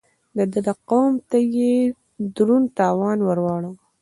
د ده قوم ته يې دروند تاوان ور واړاوه.